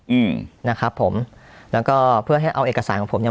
อืมนะครับผมแล้วก็เพื่อให้เอาเอกสารของผมเนี้ย